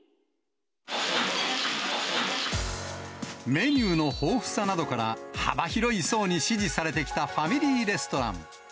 メニューの豊富さなどから、幅広い層に支持されてきたファミリーレストラン。